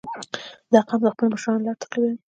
• دا قوم د خپلو مشرانو لار تعقیبوي.